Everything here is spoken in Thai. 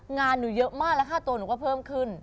งานหนูเยอะมากแล้วค่าตัวหนูก็เพิ่มขึ้น